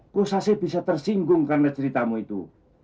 kusase bisa tersinggung karena ceritamu itu